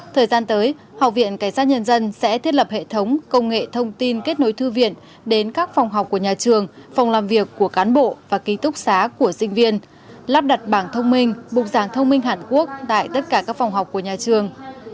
thời gian tới học viện cảnh sát nhân dân sẽ thiết lập hệ thống công nghệ thông tin kết nối thư viện đến các phòng học của nhà trường phòng làm việc của cán bộ và ký túc xá của sinh viên lắp đặt bảng thông minh bục giảng thông minh hàn quốc tại tất cả các phòng học của nhà trường